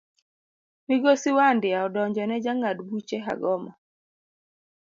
Migosi wandia odonjo ne jang'ad buche Hagoma.